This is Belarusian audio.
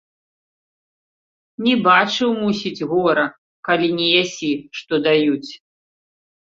Не бачыў, мусіць, гора, калі не ясі, што даюць.